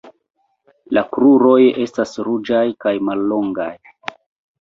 La kruroj estas ruĝaj kaj mallongaj.